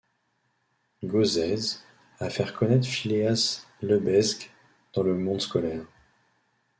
Gossez, à faire connaître Philéas Lebesgue dans le monde scolaire.